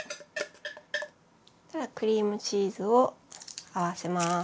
クリームチーズを合わせます。